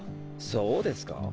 そうですか？